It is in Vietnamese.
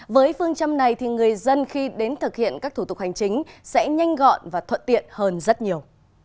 với phương châm này thì người dân khi đến thực hiện các thủ tục hành chính sẽ nhanh gọn và thuận tiện hơn rất nhiều